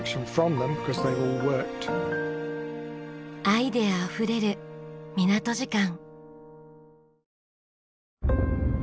アイデアあふれる港時間。